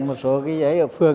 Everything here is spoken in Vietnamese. một số cái giấy ở phường